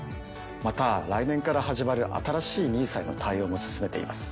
また来年から始まる新しいＮＩＳＡへの対応も進めています。